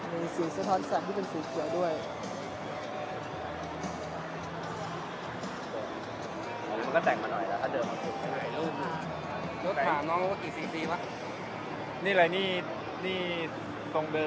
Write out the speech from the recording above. มีสีเสื้อทอดแสงที่เป็นสีเขือด้วย